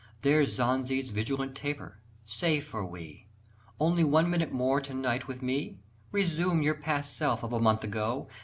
_ There's Zanze's vigilant taper; safe are we! Only one minute more to night with me? Resume your past self of a month ago!